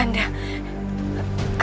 dinda subang lara